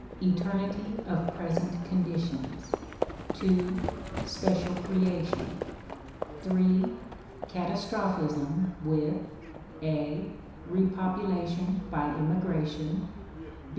Eternity of Present Conditions. 2. Special Creation. 3. Catastrophism with a. Repopulation by immigration.